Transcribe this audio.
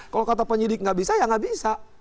kalau kata penyidik nggak bisa ya nggak bisa